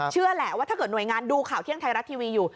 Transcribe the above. เชื่อแหละว่าถ้าเกิดหน่วยงานดูข่าวเที่ยงไทยรัฐทีวีอยู่